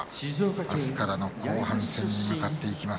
明日からの後半戦に向かっていきます。